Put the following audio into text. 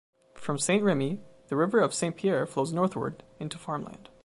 From Saint-Rémy, the river of Saint-Pierre flows northward into farmland.